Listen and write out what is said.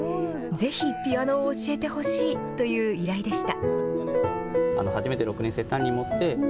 ぜひピアノを教えてほしいという依頼でした。